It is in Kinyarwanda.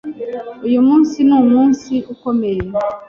Uyu munsi ni umunsi ukomeye.